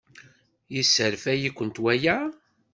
Yesserfay-ikent waya?